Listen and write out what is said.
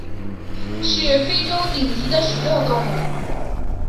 是非洲顶级的食肉动物。